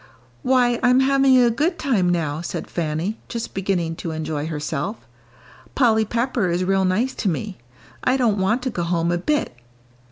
"Why, I'm having a good time now," said Fanny, just beginning to enjoy herself. "Polly Pepper is real nice to me. I don't want to go home a bit."